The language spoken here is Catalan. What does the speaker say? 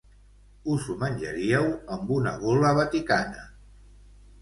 Us ho menjaríeu amb una gola vaticana.